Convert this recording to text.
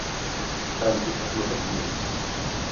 František Novotný.